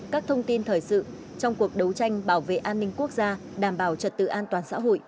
các thông tin thời sự trong cuộc đấu tranh bảo vệ an ninh quốc gia đảm bảo trật tự an toàn xã hội